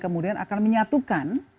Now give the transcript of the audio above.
kemudian akan menyatukan